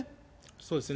そうですね。